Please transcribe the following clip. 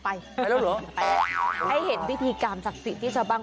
ไปแล้วเหรอแต่ให้เห็นพิธีกรรมศักดิ์สิทธิ์ที่ชาวบ้าน